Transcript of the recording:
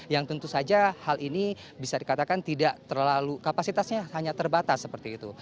yang tentu saja hal ini bisa dikatakan tidak terlalu kapasitasnya hanya terbatas seperti itu